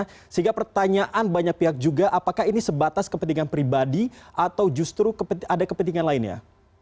sehingga pertanyaan banyak pihak juga apakah ini sebatas kepentingan pribadi atau justru ada kepentingan lainnya